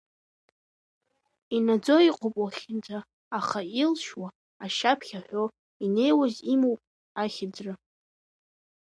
Инаӡо иҟоуп уахьынӡа, аӷа илшьуа, ашьа ԥхьаҳәо, инеиуаз имоуп ахьыӡра.